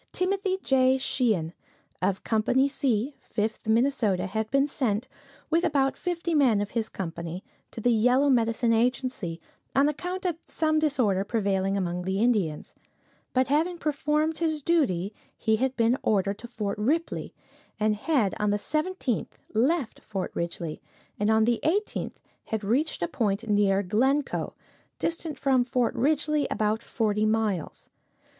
Timothy J. Sheehan, of Company "C," Fifth Minnesota, had been sent, with about fifty men of his company, to the Yellow Medicine Agency, on account of some disorder prevailing among the Indians; but having performed his duty, he had been ordered to Fort Ripley, and had on the 17th left Fort Ridgley, and on the 18th had reached a point near Glencoe, distant from Fort Ridgley about forty miles.